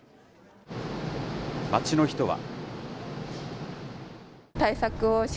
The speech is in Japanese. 街の人は。